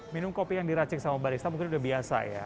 minum kopi yang diracik sama barista mungkin udah biasa ya